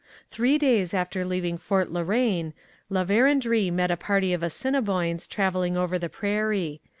Three days after leaving Fort La Reine, La Vérendrye met a party of Assiniboines travelling over the prairie.